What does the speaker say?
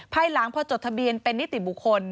ภายหลังพอจดทะเบียนเป็นนิติบุคคล